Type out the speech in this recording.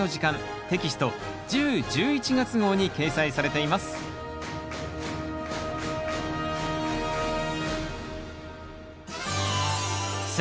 テキスト１０・１１月号に掲載されています選